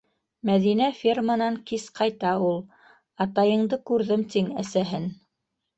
Мәҙинә ферманан кис ҡайта ул. Атайыңды күрҙем тиң, әсәһен...